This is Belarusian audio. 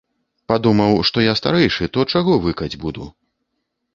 Падумаў, што я старэйшы, то чаго выкаць буду.